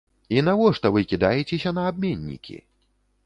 І навошта вы кідаецеся на абменнікі?